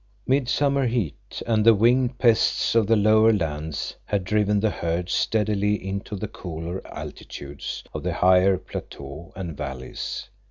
Midsummer heat and the winged pests of the lower lands had driven the herds steadily into the cooler altitudes of the higher plateaux and valleys.